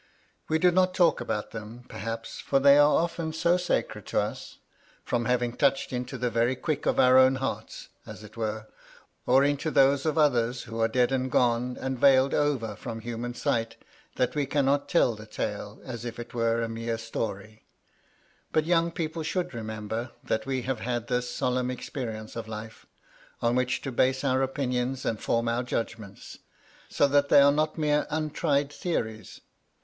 We do not talk about them, perhaps ; for they are often so sacred to us, from having touched into the very quick of our own hearts, as it were, or into those of others who are dead and gone, and veiled over from human sight, that we can not tell the tale as if it was a mere story. But young people should remember that we have had this solemn experience of life, on which to base our opinions and form our judgments, so that they are not mere untried theories.